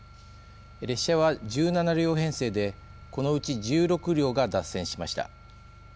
列車は１７両編成でこのうち１６両が脱線しました。